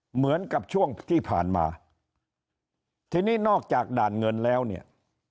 เหมือนกับช่วงที่ผ่านมาทีนี้นอกจากด่านเงินแล้วเนี่ย